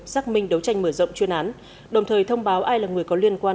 xác minh đấu tranh mở rộng chuyên án đồng thời thông báo ai là người có liên quan